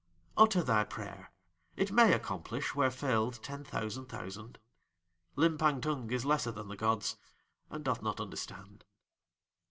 "Utter thy prayer! It may accomplish where failed ten thousand thousand. "Limpang Tung is lesser than the gods, and doth not understand."